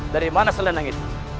dari mana selendang itu